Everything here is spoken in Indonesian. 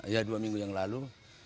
ya dua minggu yang lalu